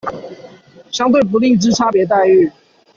相對不利之差別待遇